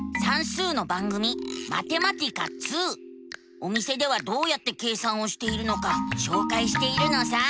お店ではどうやって計算をしているのかしょうかいしているのさ。